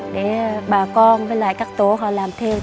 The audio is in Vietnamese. để bà con với các tổ họ làm theo